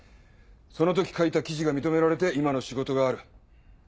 その時書いた記事が認められて今の仕事がある。